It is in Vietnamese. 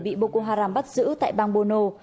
bị boko haram bắt giữ tại bang bono